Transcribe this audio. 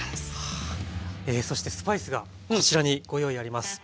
そしてスパイスがこちらにご用意あります。